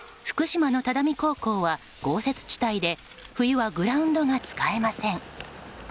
福島の只見高校は豪雪地帯で冬はグラウンドが使えません。